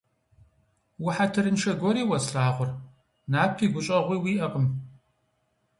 - Ухьэтырыншэ гуэри уэ слъагъур, напи гущӏэгъуи уиӏэкъым.